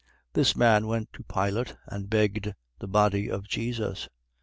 23:52. This man went to Pilate and begged the body of Jesus.